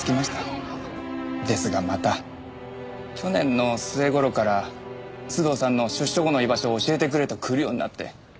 ですがまた去年の末頃から須藤さんの出所後の居場所を教えてくれと来るようになって。